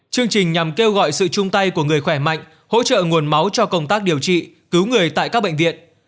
chương trình nhằm kêu gọi sự chung tay của người khỏe mạnh hỗ trợ nguồn máu cho công tác điều trị cứu người tại các bệnh viện